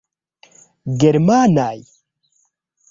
Germanaj?